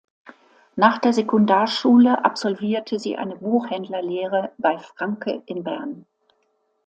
Nach der Sekundarschule absolvierte sie eine Buchhändlerlehre bei Francke in Bern.